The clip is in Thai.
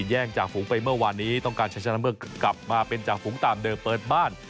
แย่งจากฝูงไปเมื่อวานนี้ต้องการใช้ชนะเมื่อกลับมาเป็นจากฝูงตามเดิมเปิดบ้าน